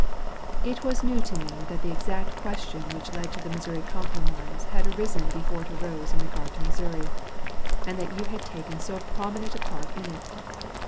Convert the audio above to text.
It was new to me that the exact question which led to the Missouri Compromise had arisen before it arose in regard to Missouri, and that you had taken so prominent a part in it.